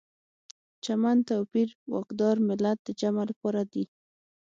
چمن، توپیر، واکدار، ملت د جمع لپاره دي.